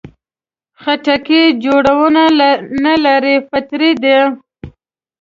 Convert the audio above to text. خټکی جوړونه نه لري، فطري ده.